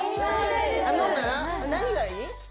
何がいい？